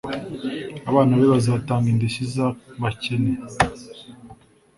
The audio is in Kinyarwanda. abana be bazatanga indishyi z'abakene